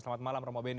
selamat malam romo beni